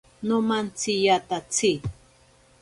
Nomantsiyatatsi.